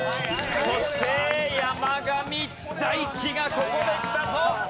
そして山上大喜がここできたぞ！